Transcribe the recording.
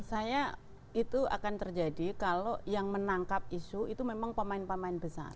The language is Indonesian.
saya itu akan terjadi kalau yang menangkap isu itu memang pemain pemain besar